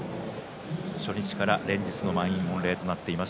初日から連日の満員御礼となっています